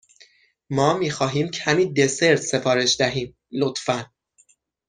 ما می خواهیم کمی دسر سفارش دهیم، لطفا.